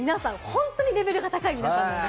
本当にレベルが高い皆さん。